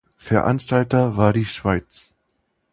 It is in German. Veranstalter war die Schweiz.